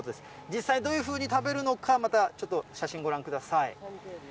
実際、どういうふうに食べるのか、またちょっと写真ご覧ください。